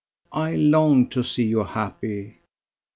I long to see you happy